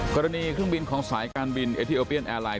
กรณีเครื่องบินของสายการบินเอทีโอเปียนแอร์ไลน